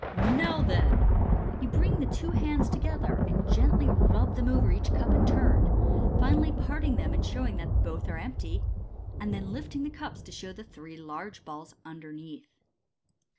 " Now, then! n You bring the two hands to gether, and gently rub them over each cup in turn j finally parting them and showing that both are empty, and then lifting the cups, show the three large balls underneath.